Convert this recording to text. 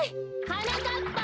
はなかっぱ！